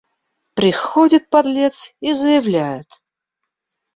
Приходит, подлец, и заявляет